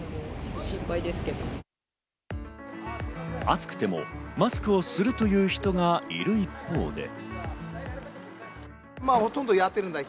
暑くてもマスクをするという人がいる一方で。